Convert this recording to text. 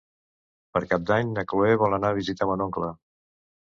Per Cap d'Any na Cloè vol anar a visitar mon oncle.